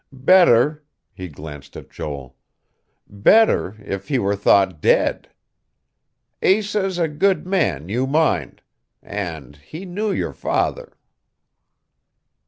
Better " He glanced at Joel. "Better if he were thought dead. Asa's a good man, you mind. And he knew your father."